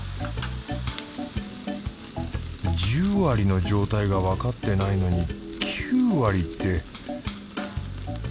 １０割の状態がわかってないのに９割って。